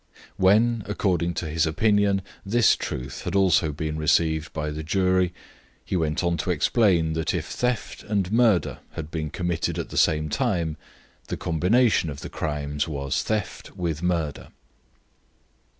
When, according to his opinion, this truth had also been received by the jury, he went on to explain that if theft and murder had been committed at the same time, the combination of the crimes was theft with murder.